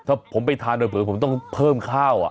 ถ้าผมไปทานด้วยเผื่อว่าผมต้องเพิ่มข้าว